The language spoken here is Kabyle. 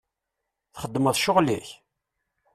Txedmeḍ ccɣel-ik?